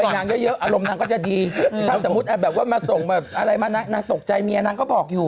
นางเยอะอารมณ์นางก็จะดีถ้าสมมุติแบบว่ามาส่งแบบอะไรมานางตกใจเมียนางก็บอกอยู่